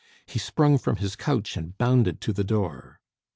He sprung from his couch and bounded to the door.